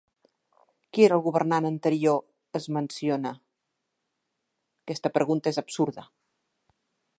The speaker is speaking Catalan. Qui era el governant anterior es menciona?